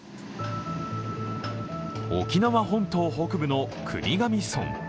沖縄本島北部の国頭村。